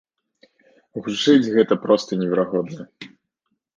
Гучыць гэта проста неверагодна.